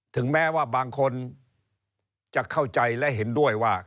ถึงแม้ว่าบางคนจะเข้าใจและเห็นด้วยว่า